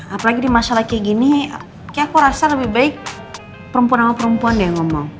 apalagi di masalah kayak gini kayaknya aku rasa lebih baik perempuan sama perempuan deh yang ngomong